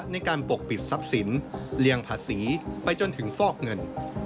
ปกปิดทรัพย์สินเลี่ยงภาษีไปจนถึงฟอกเงิน